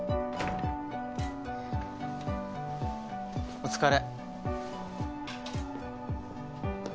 お疲れ。